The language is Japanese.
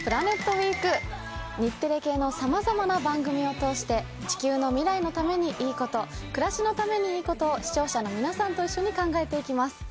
日テレ系のさまざまな番組を通して地球の未来のためにいいこと暮らしのためにいいことを視聴者の皆さんと一緒に考えて行きます。